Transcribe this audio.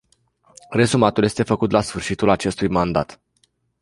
Rezumatul este făcut la sfârșitul acestui mandat.